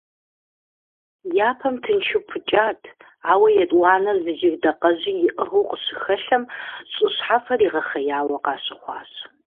Япэм тыншу пыкӀат, ауэ етӀуанэр зы жыг дакъэжьи иӀыгъыу къащыхэлъэм, щӀы щхьэфэр игъэхъеяуэ къащыхъуат.